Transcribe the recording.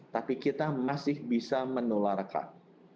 tapi kita masih bisa menularkan